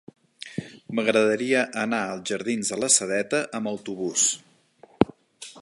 M'agradaria anar als jardins de la Sedeta amb autobús.